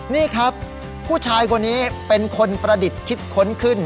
นี่ครับผู้ชายคนนี้เป็นคนประดิษฐ์คิดค้นขึ้น